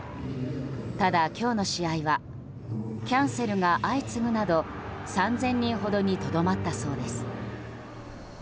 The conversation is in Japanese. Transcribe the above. ただ、今日の試合はキャンセルが相次ぐなど３０００人ほどにとどまったそうです。